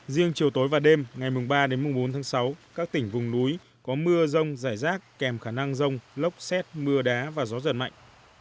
riêng chiều tối và đêm ngày ba đến mùng bốn tháng sáu các tỉnh vùng núi có mưa rông rải rác kèm khả năng rông lốc xét mưa đá và gió giật mạnh